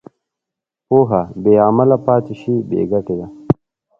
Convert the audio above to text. پوهه بېعمله پاتې شي، بېګټې ده.